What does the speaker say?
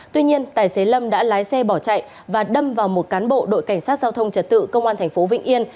tuy nhiên tài xế lâm đã lái xe bỏ chạy và đâm vào một cán bộ đội cảnh sát giao thông trật tự công an tp vĩnh yên